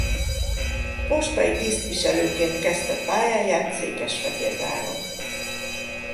Postai tisztviselőként kezdte pályáját Székesfehérváron.